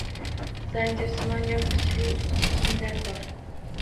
Zanjirsimon yopqichli ustki kiyimlar bor.